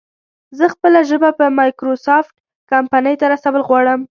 زه خپله ژبه په مايکروسافټ کمپنۍ ته رسول غواړم